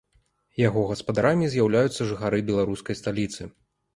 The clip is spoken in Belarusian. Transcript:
Яго гаспадарамі з'яўляюцца жыхары беларускай сталіцы.